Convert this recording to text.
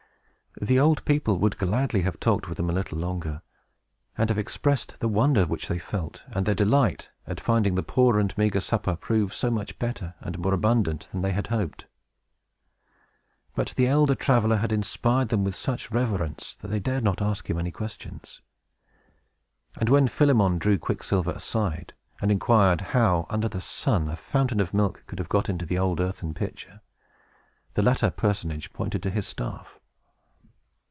The old people would gladly have talked with them a little longer, and have expressed the wonder which they felt, and their delight at finding the poor and meagre supper prove so much better and more abundant than they hoped. But the elder traveler had inspired them with such reverence, that they dared not ask him any questions. And when Philemon drew Quicksilver aside, and inquired how under the sun a fountain of milk could have got into an old earthen pitcher, this latter personage pointed to his staff.